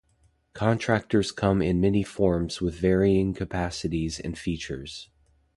Contactors come in many forms with varying capacities and features.